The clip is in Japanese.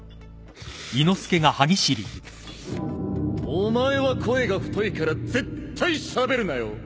お前は声が太いから絶対しゃべるなよ。